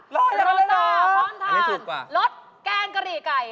บอพร้อมทานรสแกงกะหรี่ไก่